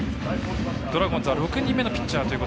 ドラゴンズは６人目のピッチャー。